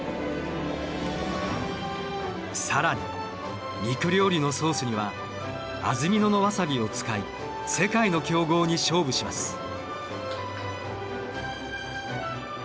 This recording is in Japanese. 更に肉料理のソースには安曇野のワサビを使い世界の強豪に勝負します。